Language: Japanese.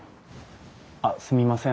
あっすみません。